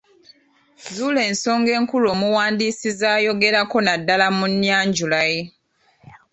Zuula ensonga enkulu omuwandiisi z'ayogerako naddala mu nnyanjula ye.